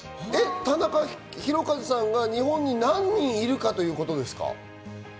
田中宏和さんが日本に何人いるかということですか？